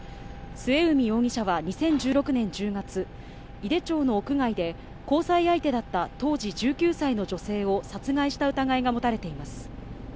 末海容疑者は２０１６年１０月、井手町の屋外で交際相手だった当時１９歳の女性を殺害した疑いが持たれています。